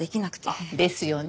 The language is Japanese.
ですよね。